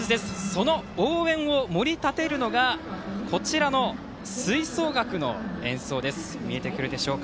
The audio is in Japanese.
その応援を盛り立てるのが吹奏楽の演奏です。